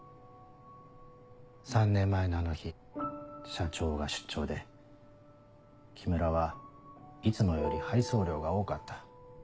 ３年前のあの日社長が出張で木村はいつもより配送量が多かった。